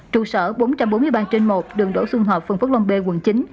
trụ sở bốn trăm bốn mươi ba trên một đường đỗ xuân họp phần phước long b quận chín